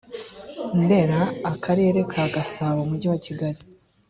ndera akarere ka gasabo umujyi wa kigali